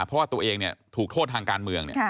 เพราะว่าตัวเองถูกโทษทางการเมือง